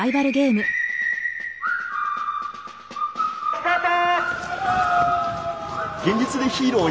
「スタート！」。